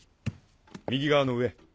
右側の上。